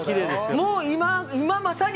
もう今、まさに。